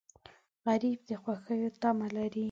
غریب د خوښیو تمه لري